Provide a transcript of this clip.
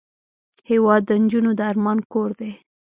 هېواد د نجو د ارمان کور دی.